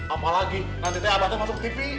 apalagi nanti abah masuk tv